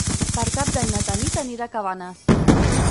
Per Cap d'Any na Tanit anirà a Cabanes.